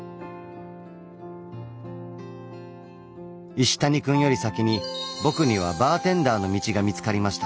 石谷くんより先に僕にはバーテンダーの道が見つかりました。